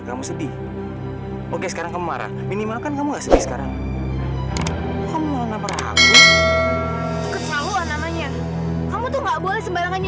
sampai jumpa di video selanjutnya